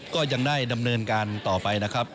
ก็ยังได้ดำเนินการต่อไปนะครับ